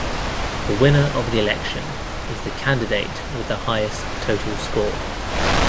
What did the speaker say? The winner of the election is the candidate with the highest total score.